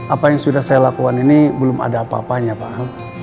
apa yang sudah saya lakukan ini belum ada apa apanya pak